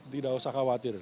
tidak usah khawatir